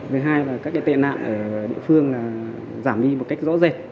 với hai là các tệ nạn ở địa phương giảm đi một cách rõ rệt